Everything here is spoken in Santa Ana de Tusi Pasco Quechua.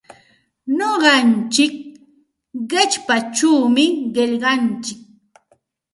Nuqantsik qichpachawmi qillqantsik.